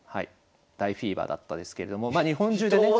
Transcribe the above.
大フィーバーだったですけれどもまあ日本中でね。